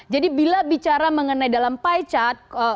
bila bicara mengenai dalam pie chart